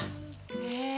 へえ。